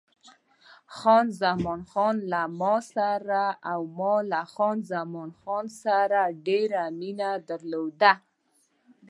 خان زمان له ما سره او ما له خان زمان سره ډېره مینه درلوده.